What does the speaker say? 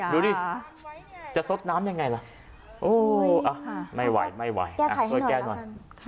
ดูดิจะซดน้ำยังไงล่ะไม่ไหวไม่ไหวช่วยแก้หน่อย